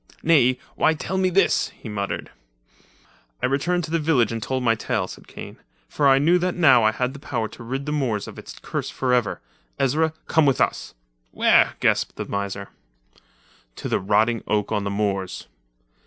"Nay, why tell me this?" he muttered. "I returned to the village and told my tale, said Kane, "for I knew that now I had the power to rid the moors of its curse forever! Ezra, come with us!" "Where?" gasped the miser. "To the rotting oak on the moors."